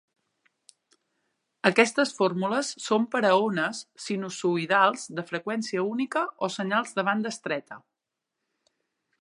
Aquestes fórmules són per a ones sinusoïdals de freqüència única o senyals de banda estreta.